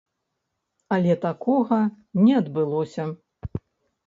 Але такога не адбылося.